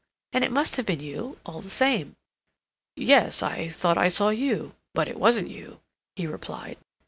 And it must have been you all the same." "Yes, I thought I saw you—but it wasn't you," he replied.